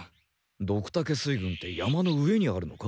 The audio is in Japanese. ドクタケ水軍って山の上にあるのか？